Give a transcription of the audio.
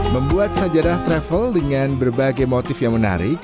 membuat sajadah travel dengan berbagai motif yang menarik